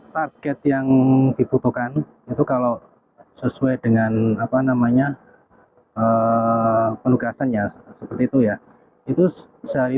target yang dibutuhkan itu kalau sesuai dengan apa namanya penugasan ya seperti itu ya itu sehari